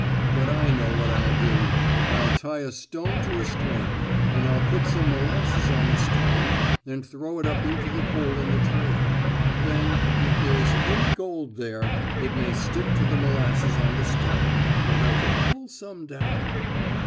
But I know what I'll do, I'll tie a stone to a string, and I'll put some molasses on the stone and throw it up into the hole in the tree. Then, if there is any gold there, it may stick to the molasses on the stone, and I can pull some down."